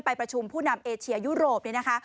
ประชุมผู้นำเอเชียยุโรปเนี่ยนะคะ